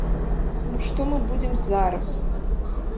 Ну, што мы будзем зараз!